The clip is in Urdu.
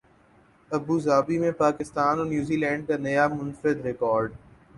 ابوظہبی میں پاکستان اور نیوزی لینڈ کا نیا منفرد ریکارڈ